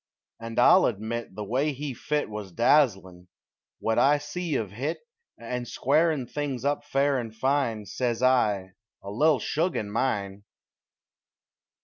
And I'll admit, the way he fit Wuz dazzlin' what I see uv hit; And squarin' things up fair and fine, Says I: "A little 'shug' in mine!"